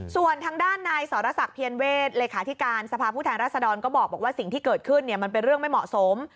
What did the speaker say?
ส่วนทางด้านนายสรษักเพียรเวศเลขาธิการสภาพผู้แทนรัศดรก็บอกว่าสิ่งที่เกิดขึ้นมันเป็นเรื่องไม่เหมาะสม